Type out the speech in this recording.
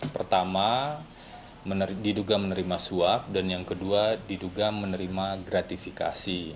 pertama diduga menerima suap dan yang kedua diduga menerima gratifikasi